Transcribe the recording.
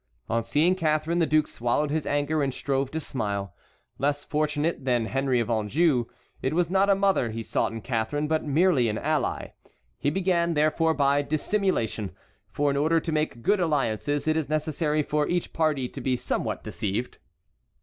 On seeing Catharine the duke swallowed his anger and strove to smile. Less fortunate than Henry of Anjou, it was not a mother he sought in Catharine, but merely an ally. He began therefore by dissimulation, for in order to make good alliances it is necessary for each party to be somewhat deceived.